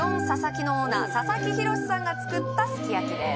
木のオーナー佐々木浩さんが作ったすき焼きです